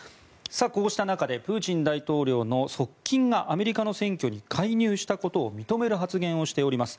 こうした中でプーチン大統領の側近がアメリカの選挙に介入したことを認める発言をしております。